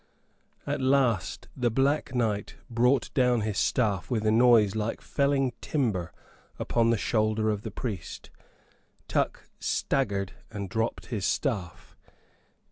At last the Black Knight brought down his staff with a noise like felling timber upon the shoulder of the priest. Tuck staggered, and dropped his staff.